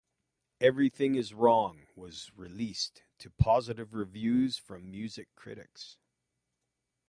"Everything Is Wrong" was released to positive reviews from music critics.